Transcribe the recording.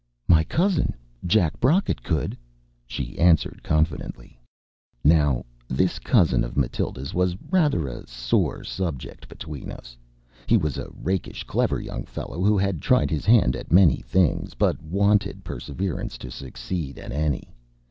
"My cousin, Jack Brocket, could," she answered confidently. Now, this cousin of Matilda's was rather a sore subject between us. He was a rakish clever young fellow, who had tried his hand at many things, but wanted perseverance to succeed at any.